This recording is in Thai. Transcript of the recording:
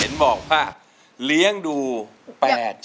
เห็นบอกครับเลี้ยงดู๘ชีวิต